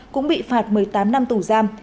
cũng bị phạt một mươi tám năm tù giam